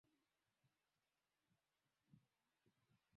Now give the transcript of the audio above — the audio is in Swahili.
ufuatia msukumo wa kuimarisha uchumi nchini marekani